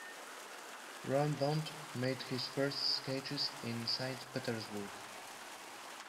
Roubaud made his first sketches in Saint Petersburg.